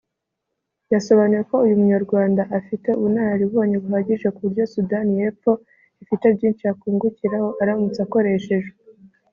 yasobanuye ko uyu munyarwanda afite ubunararibonye buhagije kuburyo Sudani y’Epfo ifite byinshi yakungukiraho aramutse akoreshejwe